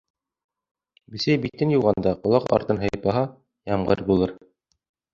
Бесәй битен йыуғанда ҡолаҡ артын һыйпаһа, ямғыр булыр.